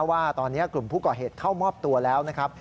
ว่าตอนนี้กลุ่มผู้ก่อเหตุเข้ามอบตัวแล้วนะครับ